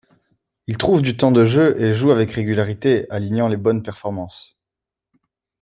Il trouve du temps de jeu et joue avec régularité, alignant les bonnes performances.